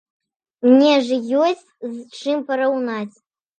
Мне ж ёсць з чым параўнаць.